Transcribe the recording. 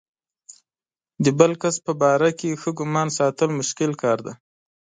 د بل کس په باره کې ښه ګمان ساتل مشکل کار دی.